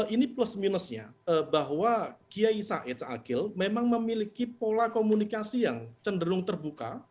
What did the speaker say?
ini plus minusnya bahwa guyai said sa'adil memang memiliki pola komunikasi yang cenderung terbuka